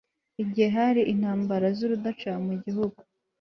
igihe hari intambara z'urudaca mu gihugu